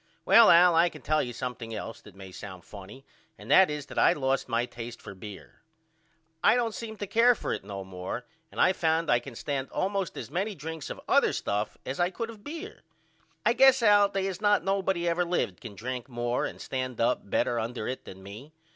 Well Al I can tell you something else that may sound funny and that is that I lost my taste for beer. I don't seem to care for it no more and I found I can stand allmost as many drinks of other stuff as I could of beer. I guess Al they is not nobody ever lived can drink more and stand up better under it than me.